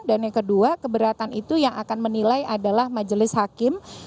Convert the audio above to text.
dan yang kedua keberatan itu yang akan menilai adalah majelis hakim